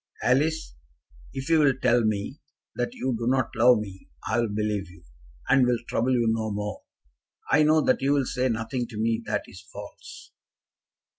"Alice, if you will tell me that you do not love me, I will believe you, and will trouble you no more. I know that you will say nothing to me that is false.